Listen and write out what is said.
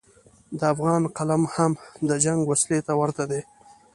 د افغان قلم هم د جنګ وسلې ته ورته دی.